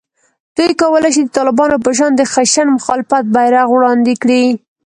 دوی کولای شي د طالبانو په شان د خشن مخالفت بېرغ وړاندې کړي